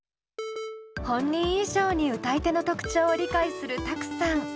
本人以上に歌い手の特徴を理解するＴＡＫＵさん。